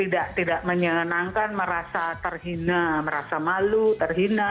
dan tidak menyenangkan merasa terhina merasa malu terhina